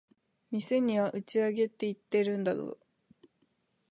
店には打ち上げって言ってるんだぞ。